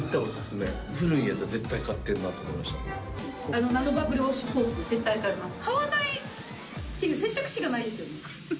あのナノバブルウォッシュホース絶対買います。